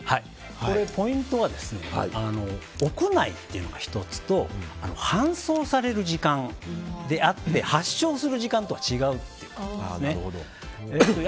ポイントは屋内というのが１つと搬送される時間であって発症する時間とは違うということですね。